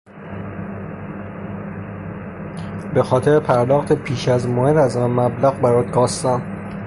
به خاطر پرداخت پیش از موعد از مبلغ برات کاستن